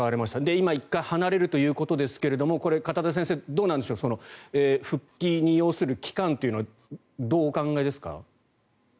今、一回離れるということですが片田先生、どうなんでしょう復帰に要する期間はどうお考えですか？